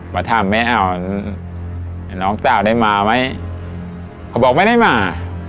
พ่อบอกว่าไม่ได้มา